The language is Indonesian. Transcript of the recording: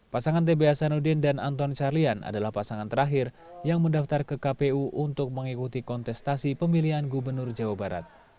pasangan tb hasanuddin dan anton carlian adalah pasangan terakhir yang mendaftar ke kpu untuk mengikuti kontestasi pemilihan gubernur jawa barat